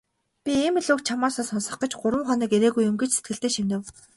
"Би ийм л үг чамаасаа сонсох гэж гурав хоног ирээгүй юм" гэж сэтгэлдээ шивнэв.